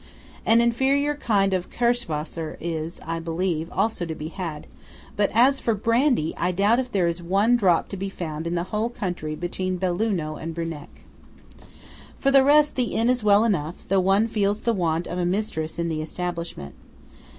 An inferior kind of Kirschwasser is, I believe, also to be had; but as for brandy, I doubt if there is one drop to be found in the whole country between Belluno and Bruneck. For the rest, the inn is well enough, though one feels the want of a mistress in the establishment.